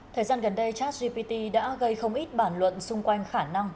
thời gian gần đây chatgpt đã gây không ít bản luận xung quanh khả năng